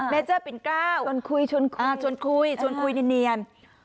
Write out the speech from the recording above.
เมเจอร์เป็น๙ชนคุยชนคุยเนียน